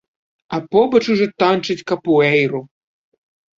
А побач ужо танчаць капуэйру!